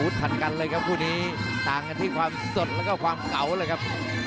ทันกันเลยครับคู่นี้ต่างกันที่ความสดแล้วก็ความเก่าเลยครับ